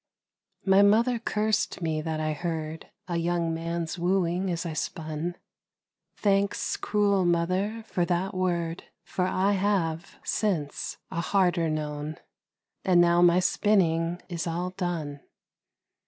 My mother cursed me that I heard A young man's wooing as I spun: Thanks, cruel mother, for that word, For I have, since, a harder known! And now my spinning is all done.